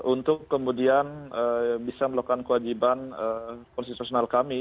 untuk kemudian bisa melakukan kewajiban konstitusional kami